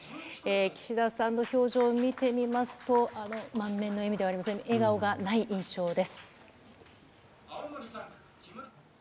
岸田さんの表情を見てみますと、満面の笑みではありません、笑顔がない印象です。